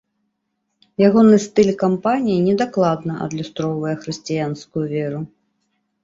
Ягоны стыль кампаніі недакладна адлюстроўвае хрысціянскую веру.